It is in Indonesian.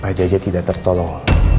pak jaja tidak tertolong